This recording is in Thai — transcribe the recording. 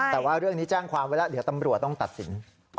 แต่ว่าเรื่องนี้แจ้งความไว้แล้วเดี๋ยวตำรวจต้องตัดสิน